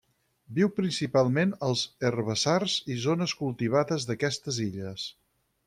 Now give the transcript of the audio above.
Viu principalment als herbassars i zones cultivades d'aquestes illes.